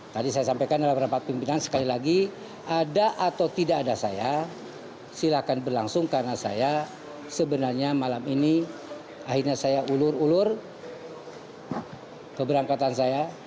tadi saya sampaikan dalam rapat pimpinan sekali lagi ada atau tidak ada saya silakan berlangsung karena saya sebenarnya malam ini akhirnya saya ulur ulur keberangkatan saya